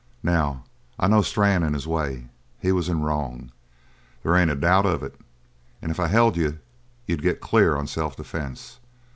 Now, I know Strann and his way. He was in wrong. There ain't a doubt of it, and if I held you, you'd get clear on self defense.